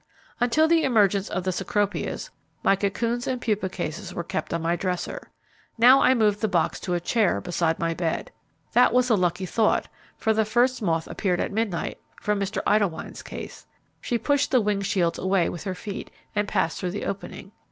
Until the emergence of the Cecropias, my cocoons and pupa cases were kept on my dresser. Now I moved the box to a chair beside my bed. That was a lucky thought, for the first moth appeared at midnight, from Mr. Idlewine's case. She pushed the wing shields away with her feet, and passed through the opening.